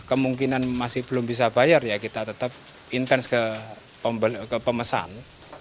kemungkinan masih belum bisa bayar ya kita tetap intens ke pemesan